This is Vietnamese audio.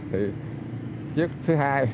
thì chiếc thứ hai